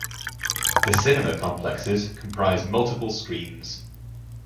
The cinema complexes comprise multiple screens.